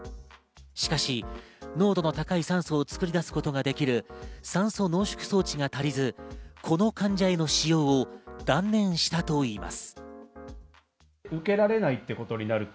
しかし濃度の高い酸素を作り出すことができる酸素濃縮装置が足りず、この患者への使用を断念したといいます。